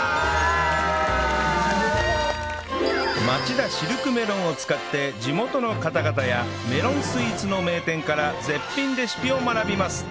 まちだシルクメロンを使って地元の方々やメロンスイーツの名店から絶品レシピを学びます